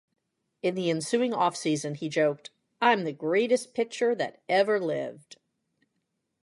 In the ensuing offseason, he joked, I'm the greatest pitcher that ever lived.